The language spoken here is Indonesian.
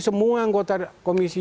semua anggota komisi